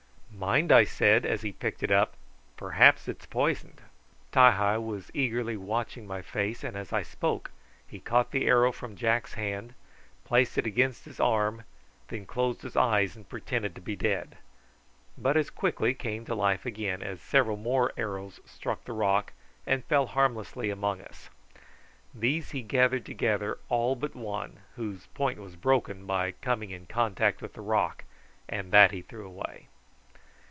"Mind," I said, as he picked it up; "perhaps it is poisoned." Ti hi was eagerly watching my face, and as I spoke he caught the arrow from Jack's hand, placed it against his arm, and then closed his eyes and pretended to be dead; but as quickly came to life again, as several more arrows struck the rock and fell harmlessly among us. These he gathered together all but one, whose point was broken by coming in contact with the rock, and that he threw away.